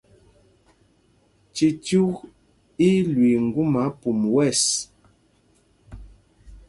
Cicyûk í í lüii ŋgúma pum wɛ̂ɛs.